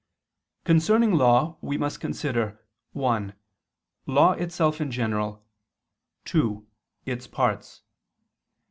Concerning law, we must consider: (1) Law itself in general; (2) its parts.